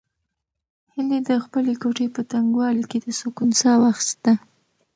هیلې د خپلې کوټې په تنګوالي کې د سکون ساه واخیسته.